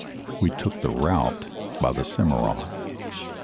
We took the route by the Cimmaron.